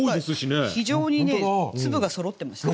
今回非常にね粒がそろってました。